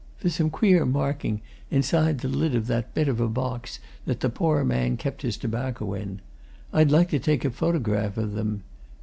"There's some queer marking inside the lid of that bit of a box that the poor man kept his tobacco in. I'd like to take a photograph of them.